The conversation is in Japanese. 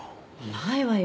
ないわよ。